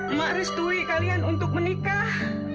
emak harus duwi kalian untuk menikah